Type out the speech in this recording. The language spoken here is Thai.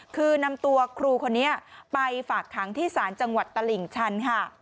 คือนำตัวครูคนนี้ไปฝากขังที่ศาลจังหวัดตลิ่งชันค่ะ